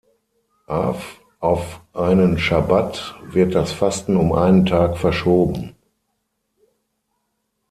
Av auf einen Schabbat, wird das Fasten um einen Tag verschoben.